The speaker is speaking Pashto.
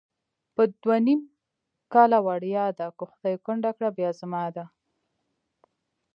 په دوه نیم کله وړیا ده، که خدای کونډه کړه بیا زما ده